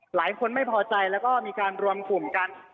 หลายคนไม่พอใจแล้วก็มีการรวมกลุ่มกัน